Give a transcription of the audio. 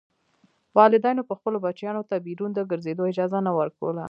والدینو به خپلو بچیانو ته بیرون د ګرځېدو اجازه نه ورکوله.